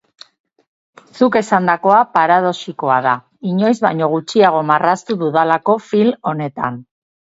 Zuk esandakoa paradoxikoa da, inoiz baino gutxiago marraztu dudalako film honetan.